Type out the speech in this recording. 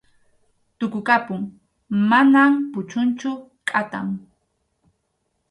Tukukapun, mana puchunchu, kʼatam.